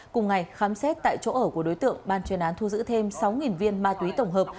cùng ngày khám xét tại chỗ ở của đối tượng ban chuyên án thu giữ thêm sáu viên ma túy tổng hợp